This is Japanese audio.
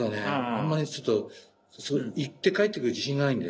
あんまりちょっと行ってかえってくる自信がないんだよ。